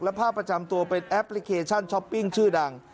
ภาพประจำตัวเป็นแอปพลิเคชันช้อปปิ้งชื่อดัง